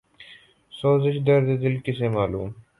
سوزش درد دل کسے معلوم